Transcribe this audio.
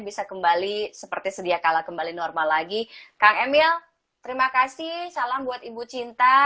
bisa kembali seperti sedia kala kembali normal lagi kang emil terima kasih salam buat ibu cinta